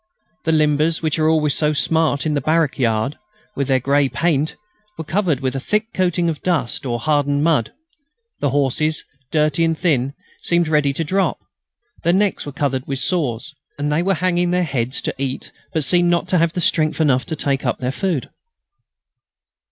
The limbers, which are always so smart in the barrack yard, with their grey paint, were covered with a thick coating of dust or of hardened mud. The horses, dirty and thin, seemed ready to drop. Their necks were covered with sores, and they were hanging their heads to eat, but seemed not to have strength enough to take their food.